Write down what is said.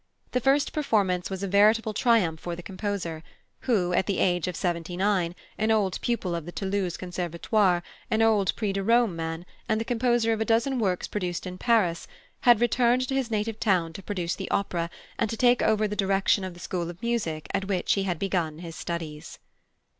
The first performance was a veritable triumph for the composer, who, at the age of seventy nine, an old pupil of the Toulouse Conservatoire, an old Prix de Rome man, and the composer of a dozen works produced in Paris, had returned to his native town to produce the opera and to take over the direction of the school of music at which he had begun his studies.